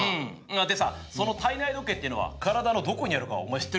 でさ体内時計っていうのは体のどこにあるかお前知ってる？